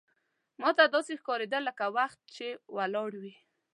ماته داسې ښکارېدل لکه وخت چې ولاړ وي.